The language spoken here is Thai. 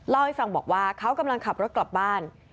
เล่าให้ฟังบอกว่าเขากำลังขับรถกลับบ้าน